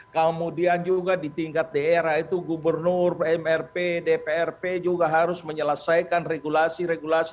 kemudian juga di tingkat daerah itu gubernur mrp dprp juga harus menyelesaikan regulasi regulasi